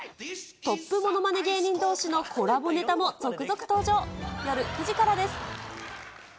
トップものまね芸人どうしのコラボネタも続々登場。